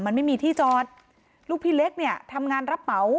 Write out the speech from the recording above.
มันไม่มีที่จอดลูกพี่เล็กเนี่ยทำงานรับเหมา